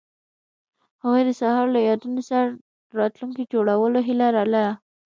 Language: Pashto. هغوی د سهار له یادونو سره راتلونکی جوړولو هیله لرله.